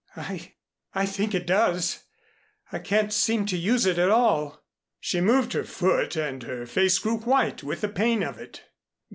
"I I think it does. I can't seem to use it at all." She moved her foot and her face grew white with the pain of it.